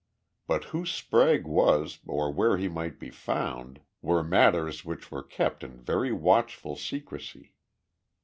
But who Sprague was or where he might be found were matters which were kept in very watchful secrecy.